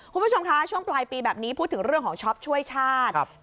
คุณผู้ชมคะช่วงปลายปีแบบนี้พูดถึงเรื่องของช็อปช่วยชาติ